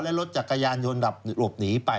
และรถจักรยานยนต์หลบหนีไป